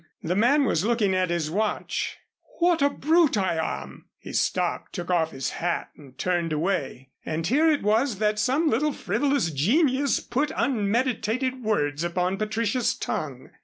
The man was looking at his watch. "What a brute I am!" He stopped, took off his hat and turned away. And here it was that some little frivolous genius put unmeditated words upon Patricia's tongue.